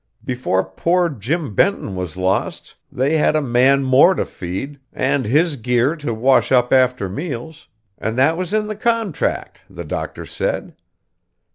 Before poor Jim Benton was lost they had a man more to feed, and his gear to wash up after meals, and that was in the contract, the doctor said.